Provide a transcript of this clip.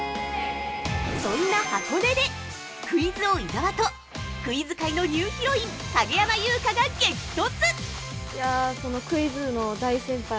そんな箱根でクイズ王・伊沢とクイズ界のニューヒロイン影山優佳が激突！